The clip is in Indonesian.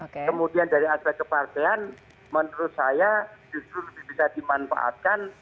kemudian dari aspek kepartean menurut saya justru lebih bisa dimanfaatkan